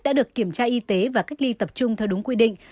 đã được kiểm tra y tế và cách ly tập trung theo đúng quy định